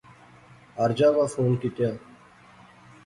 ہر جاغا فون کیتیا